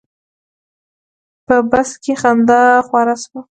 په بس کې خندا خوره شوه.